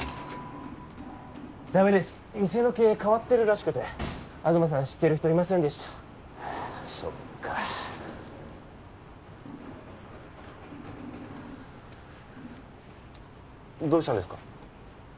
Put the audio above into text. ダメです店の経営変わってるらしくて東さん知ってる人いませんでしたそっかどうしたんですか？